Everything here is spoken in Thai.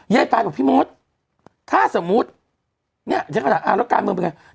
เย้ไฟบอกพี่โมธถ้าสมมติเนี่ยแล้วการเมืองเป็นไง